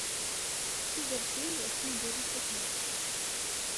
Tudert-iw attan gar ifassen-nkent.